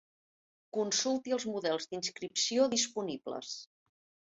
Consulti els models d'inscripció disponibles.